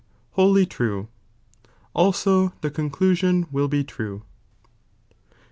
wholly truc, also the conclusion will be trucf 6.